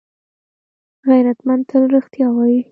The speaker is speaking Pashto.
غیرتمند تل رښتیا وايي